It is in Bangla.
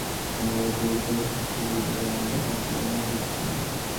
মহাভারতে লিখিত আছে সত্যযুগের প্রারম্ভে একমাত্র ব্রাহ্মণ জাতি ছিলেন।